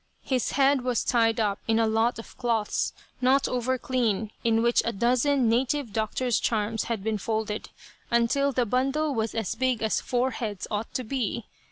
His head was tied up in a lot of cloths, not over clean, in which a dozen native doctor's charms had been folded, until the bundle was as big as four heads ought to be.